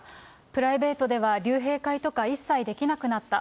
プライベートでは、竜兵会とか一切できなくなった。